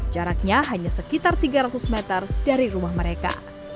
jaraknya hanya sekitar tiga ratus meter dari rumah mereka